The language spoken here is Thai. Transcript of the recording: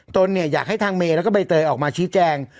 อยากให้ทางเมย์แล้วก็ใบเตยออกมาชี้แจง